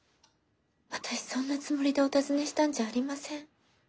私そんなつもりでお訪ねしたんじゃありません。